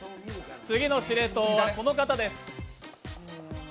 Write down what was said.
次の司令塔はこの方です。